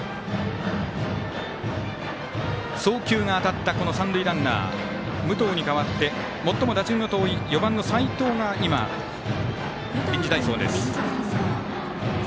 送球が当たった三塁ランナー武藤に代わって、最も打順が遠い４番の齋藤が今、臨時代走です。